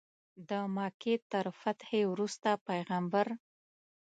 د مکې تر فتحې وروسته پیغمبر.